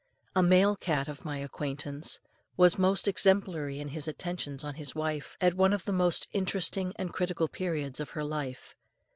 A male cat of my acquaintance was most exemplary in his attentions on his wife at one of the most interesting and critical periods of her life.